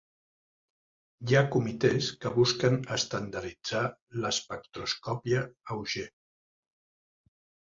Hi ha comitès que busquen estandarditzar l'espectroscòpia Auger.